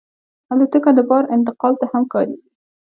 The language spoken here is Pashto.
الوتکه د بار انتقال ته هم کارېږي.